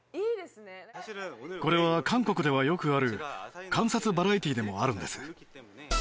これは韓国ではよくある観察バラエティでもあるんです。